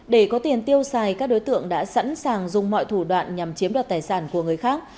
để có tiền tiêu xài các đối tượng đã sẵn sàng dùng mọi thủ đoạn nhằm chiếm đoạt tài sản của người khác